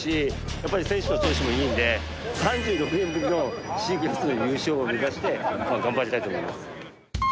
やっぱり選手の調子もいいので３６年ぶりのＣクラスの優勝を目指して頑張りたいと思います。